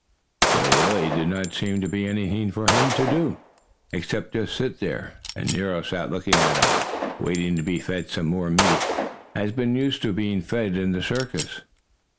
There really did not seem to be anything for him to do except just sit there. And Nero sat looking at him, waiting to be fed some more meat, as he had been used to being fed in the circus.